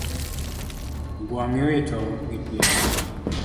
Ogwangiwito gi piene